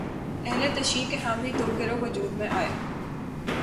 اہل تشیع کے ہاں بھی دو گروہ وجود میں آئے